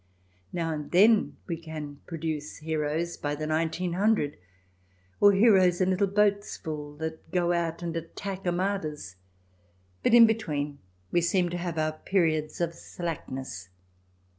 Now and then we can produce heroes by the nineteen hundred, or heroes in little boatsful that go out to attack Armadas. But in between we seem to have our periods of slackness.